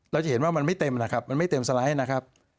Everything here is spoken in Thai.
จะเห็นว่ามันไม่เต็มนะครับมันไม่เต็มสไลด์นะครับ